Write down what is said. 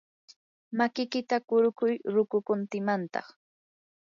makikita qurquy ruqukuntimantaq.